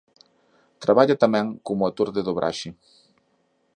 Traballa tamén como actor de dobraxe.